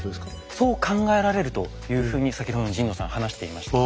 そう考えられるというふうに先ほどの神野さん話していました。